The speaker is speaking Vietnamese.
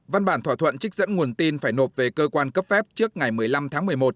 văn bản thỏa thuận trích dẫn nguồn tin phải nộp về cơ quan cấp phép trước ngày một mươi năm tháng một mươi một